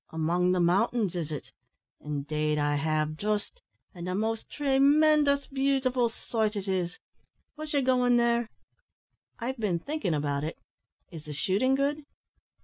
"Among the mountains, is it? Indeed I have, just; an' a most tree mendous beautiful sight it is. Wos ye goin' there?" "I've been thinking about it. Is the shooting good?"